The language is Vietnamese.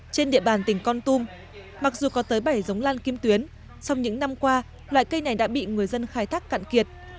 trên địa bàn tỉnh con tum mặc dù có tới bảy giống lan kim tuyến song những năm qua loại cây này đã bị người dân khai thác cạn kiệt